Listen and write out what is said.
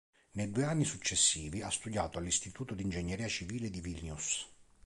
Nei due anni successivi ha studiato all'Istituto di ingegneria civile di Vilnius.